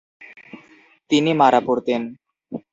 তিনি মারা পড়তেন।